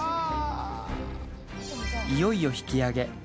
いよいよ引きあげ。